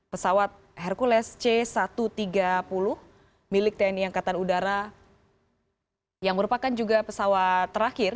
pesawat hercules c satu ratus tiga puluh milik tni angkatan udara yang merupakan juga pesawat terakhir